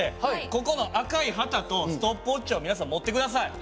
ここの赤い旗とストップウォッチを皆さん持って下さい。